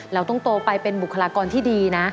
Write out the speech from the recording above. เราต้องโตไปเป็นบุคลากรที่ดีนะ